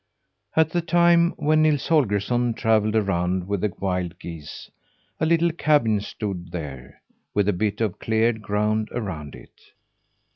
At the time when Nils Holgersson travelled around with the wild geese, a little cabin stood there, with a bit of cleared ground around it.